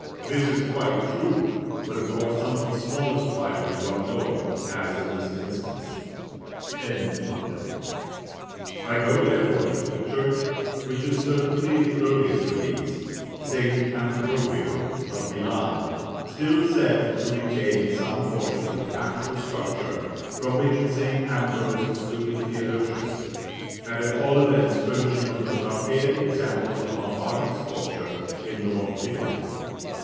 This is quite true: but of course some of the smallest fibres run lower, as in this instance.] I go, therefore, to the church which is certainly the earliest of these, St. Ambrogio, of Milan, said still to retain some portions of the actual structure from which St. Ambrose excluded Theodosius, and at all events furnishing the most archaic examples of Lombardic sculpture in North Italy.